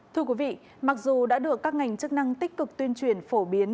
thưa quý vị mặc dù đã được các ngành chức năng tích cực tuyên truyền phổ biến